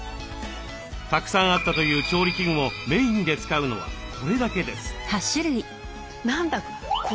たくさんあったという調理器具もメインで使うのはこれだけです。